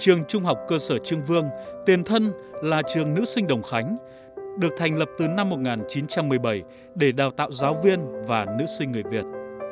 trường trung học cơ sở trương vương tiền thân là trường nữ sinh đồng khánh được thành lập từ năm một nghìn chín trăm một mươi bảy để đào tạo giáo viên và nữ sinh người việt